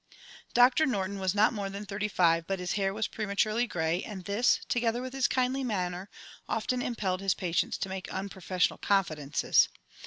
Doctor Norton was not more than thirty five, but his hair was prematurely grey, and this, together with his kindly manner, often impelled his patients to make unprofessional confidences.